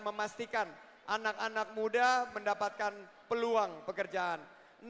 memastikan anak anak muda mendapatkan peluang pekerjaan